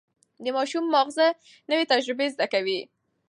د ماشوم ماغزه نوي تجربې زده کوي.